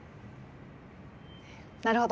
なるほど。